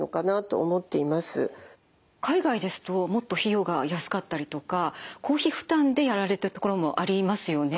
海外ですともっと費用が安かったりとか公費負担でやられてる所もありますよね。